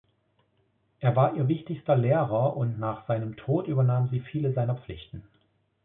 Er war ihr wichtigster Lehrer, und nach seinem Tod übernahm sie viele seiner Pflichten.